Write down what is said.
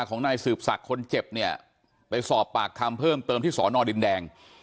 ของนายสืบศักดิ์คนเจ็บเนี่ยไปสอบปากคำเพิ่มเติมที่สอนอดินแดง